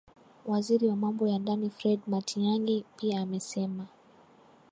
Waziri wa Mambo ya Ndani Fred Matiang’i pia amesema